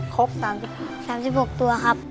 ครบ๓๖ตัวครับ